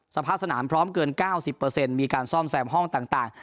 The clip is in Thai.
สภาพสนามพร้อมเกิน๙๐มีการซ่อมแซมห้องต่าง